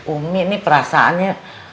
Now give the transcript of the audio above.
umi ini perasaannya